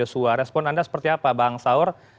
beri brigadir suarez respon anda seperti apa bang saur